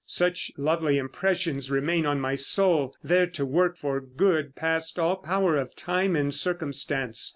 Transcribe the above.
Such lovely impressions remain on my soul, there to work for good, past all power of time and circumstance.